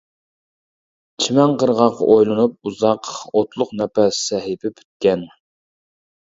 چىمەن قىرغاق ئويلىنىپ ئۇزاق، ئوتلۇق نەپەس سەھىپە پۈتكەن.